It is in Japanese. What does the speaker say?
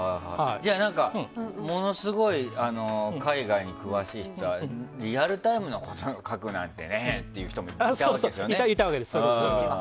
じゃあものすごい絵画に詳しい人はリアルタイムのことを描くなんてって人もいたんですよね。